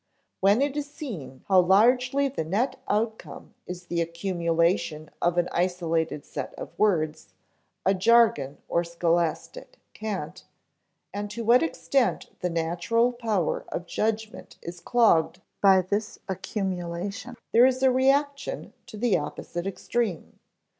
When it is seen how largely the net outcome is the accumulation of an isolated set of words, a jargon or scholastic cant, and to what extent the natural power of judgment is clogged by this accumulation, there is a reaction to the opposite extreme.